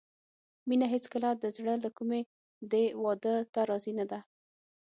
مينه هېڅکله د زړه له کومې دې واده ته راضي نه ده